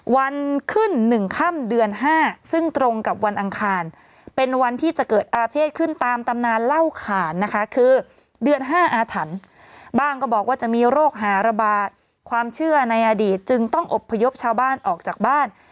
วันขึ้น๑ค่ำเดือน๕ซึ่งตรงกับวันอังคารเป็นวันที่จะเกิดอาเภษขึ้นตามตำนานเล่าขานนะคะคือเดือน๕อาถรรพ์บ้างก็บอกว่าจะมีโรคหาระบาดความเชื่อในอดีตจึงต้องอบพยพชาวบ้านออกจากบ้าน